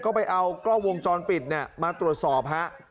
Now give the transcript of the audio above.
ก็ไปเอากล้องวงจรปิดเนี่ยมาตรวจสอบฮะ